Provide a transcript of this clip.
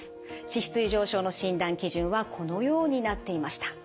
脂質異常症の診断基準はこのようになっていました。